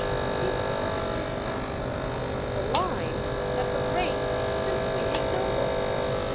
He was perfectly prompt. "The line that for Grace it's simply ignoble."